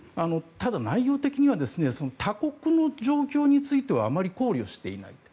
ただ、内容的には他国の状況についてはあまり考慮していない。